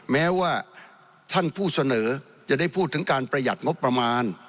แม้ว่าท่านผู้เสนอจะได้พูดถึงการประหยัดงบประมาณ